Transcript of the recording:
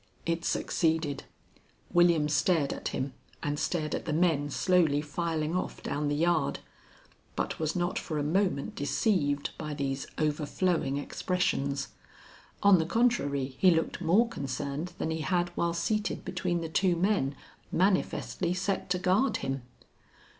It succeeded. William stared at him and stared at the men slowly filing off down the yard, but was not for a moment deceived by these overflowing expressions. On the contrary, he looked more concerned than he had while seated between the two men manifestly set to guard him.